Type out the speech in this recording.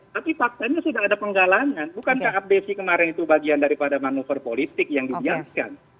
tapi faktanya sudah ada penggalangan bukankah abdesi kemarin itu bagian daripada manuver politik yang dibiarkan